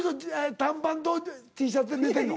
短パンとＴシャツで寝てんの？